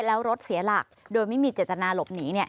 แล้วรถเสียหลักโดยไม่มีเจตนาหลบหนี